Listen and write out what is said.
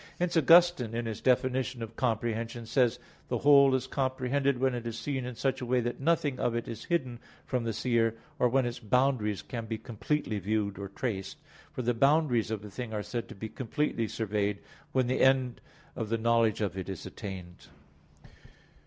Hence Augustine, in his definition of comprehension, says the whole is comprehended when it is seen in such a way that nothing of it is hidden from the seer, or when its boundaries can be completely viewed or traced; for the boundaries of a thing are said to be completely surveyed when the end of the knowledge of it is attained.